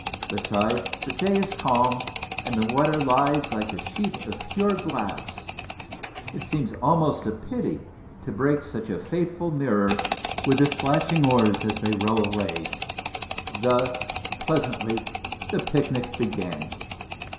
Besides, the day is calm and the water lies like a sheet of pure glass; it seems almost a pity to break such a faithful mirror with the plashing oars as they row away. Thus, pleasantly, the picnic began!